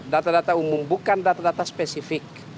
data data umum bukan data data spesifik